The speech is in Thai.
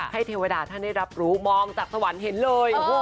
เทวดาท่านได้รับรู้มองจากสวรรค์เห็นเลย